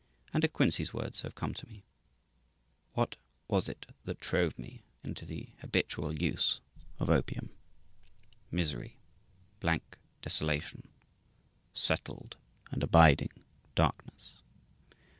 And De Quincey's words have come to me: "What was it that drove me into the habitual use of opium? Misery blank desolation settled and abiding darkness